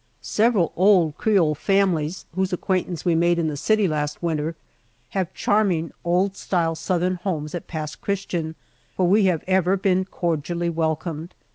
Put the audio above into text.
Several old Creole families whose acquaintance we made in the city last winter, have charming old style Southern homes at Pass Christian, where we have ever been cordially welcomed.